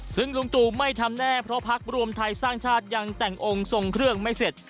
ซึ่งลุงตู่ไม่ทำแน่เพราะพักรวมไทยสร้างชาติยังแต่งองค์ทรงเครื่องไม่เสร็จ